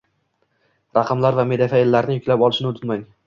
raqamlar va media fayllarni yuklab olishni unutmang